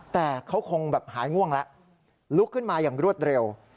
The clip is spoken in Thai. แต่เขาคงแบบหายง่วงแล้วลุกขึ้นมาอย่างรวดเร็ว